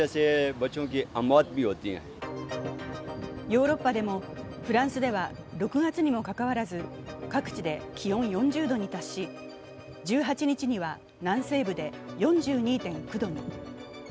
ヨーロッパでも、フランスでは６月にもかかわらず、各地で気温４０度に達し、１８日には南西部で４２．９度に。